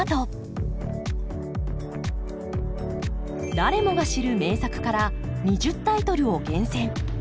誰もが知る名作から２０タイトルを厳選。